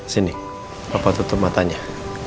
sini papa tutup matanya